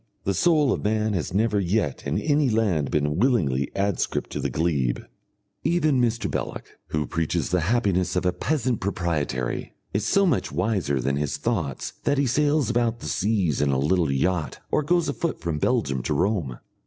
The soul of man has never yet in any land been willingly adscript to the glebe. Even Mr. Belloc, who preaches the happiness of a peasant proprietary, is so much wiser than his thoughts that he sails about the seas in a little yacht or goes afoot from Belgium to Rome.